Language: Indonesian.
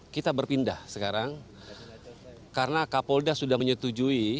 kita berpindah sekarang karena kapolda sudah menyetujui